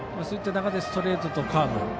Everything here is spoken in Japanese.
そういった中でストレートとカーブ